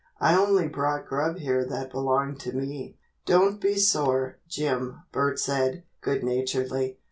"I only brought grub here that belonged to me." "Don't be sore, Jim," Bert said, good naturedly.